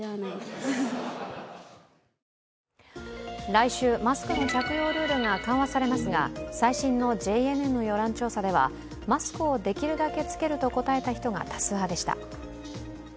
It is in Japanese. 来週、マスクの着用ルールが緩和されますが最新のＪＮＮの世論調査ではマスクをできるだけ着けると答えた人が多数派でした。